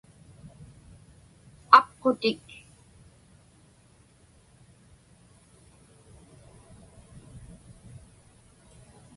apqutik